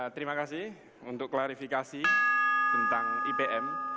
terima kasih untuk klarifikasi tentang ipm